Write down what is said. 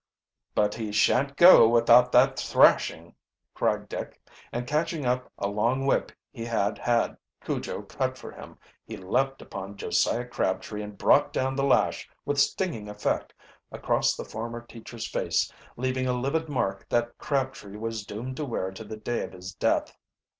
"But he shan't go without that thrashing!" cried Dick, and catching up a long whip he had had Cujo cut for him he leaped upon Josiah Crabtree and brought down the lash with stinging effect across the former teacher's face, leaving a livid mark that Crabtree was doomed to wear to the day of his death.